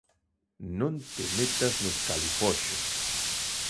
Non te metas nos califoxos.